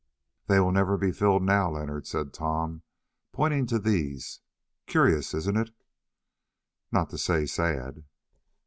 "They will never be filled now, Leonard," said Tom, pointing to these; "curious, isn't it, not to say sad?"